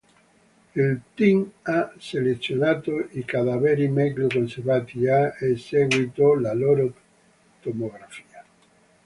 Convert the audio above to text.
Il team ha selezionato i cadaveri meglio conservati e ha eseguito la loro tomografia.